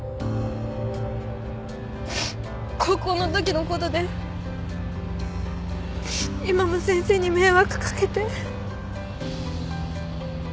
高校のときのことで今も先生に迷惑掛けて。